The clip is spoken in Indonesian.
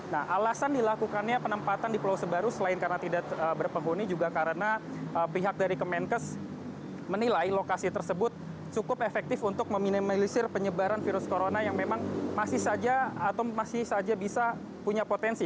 nah alasan dilakukannya penempatan di pulau sebaru selain karena tidak berpenghuni juga karena pihak dari kemenkes menilai lokasi tersebut cukup efektif untuk meminimalisir penyebaran virus corona yang memang masih saja atau masih saja bisa punya potensi